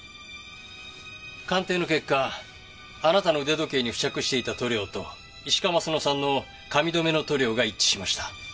鑑定の結果あなたの腕時計に付着していた塗料と石川鱒乃さんの髪留めの塗料が一致しました。